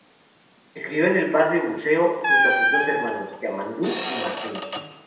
Se crio en el barrio Buceo junto a sus dos hermanos, Yamandú y Martín.